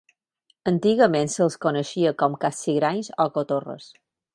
Antigament se'ls coneixia com capsigranys o cotorres.